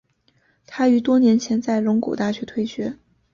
他于多年前在龙谷大学退学。